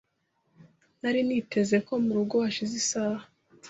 Nari niteze ko murugo hashize isaha .